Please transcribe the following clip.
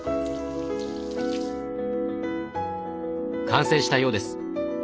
完成したようです。